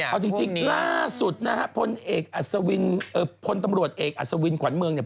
เอาจริงล่าสุดนะฮะพนตำรวจเอกอัศวินฯกวันเมืองเนี่ย